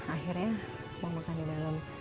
akhirnya mau makan di dalam